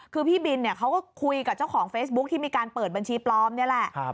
คือพี่บินเนี่ยเขาก็คุยกับเจ้าของเฟซบุ๊คที่มีการเปิดบัญชีปลอมนี่แหละ